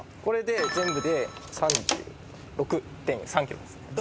これで全部で３６．３ｋｇです。